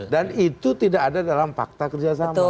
dan itu tidak ada dalam fakta kerjasama